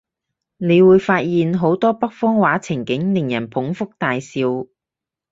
你會發現好多北方話情景，令人捧腹大笑